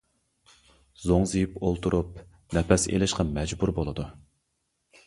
زوڭزىيىپ ئولتۇرۇپ نەپەس ئېلىشقا مەجبۇر بولىدۇ.